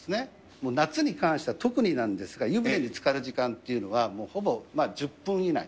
もう夏に関しては特になんですが、湯船につかる時間というのは、もうほぼ１０分以内。